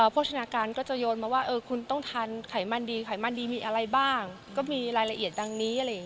โชชนาการก็จะโยนมาว่าคุณต้องทานไขมันดีไขมันดีมีอะไรบ้างก็มีรายละเอียดดังนี้อะไรอย่างนี้